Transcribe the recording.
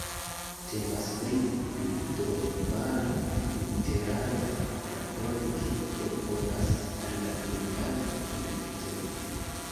Temas pri bildromano, interaga rakonto kiu proponas al la ludanto elektojn.